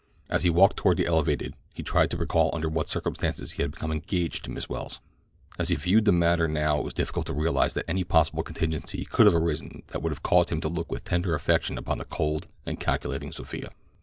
As he walked toward the elevated he tried to recall under what circumstances he had become engaged to Miss Welles. As he viewed the matter now it was difficult to realize that any possible contingency could have arisen that would have caused him to look with tender affection upon the cold and calculating Sophia.